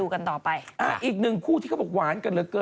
กับคุณโจ๊ก